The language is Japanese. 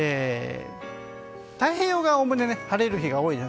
太平洋側はおおむね晴れる日が多いです。